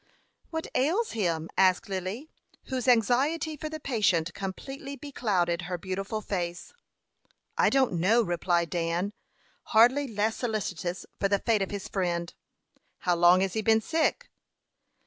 "What ails him?" asked Lily, whose anxiety for the patient completely beclouded her beautiful face. "I don't know," replied Dan, hardly less solicitous for the fate of his friend. "How long has he been sick?"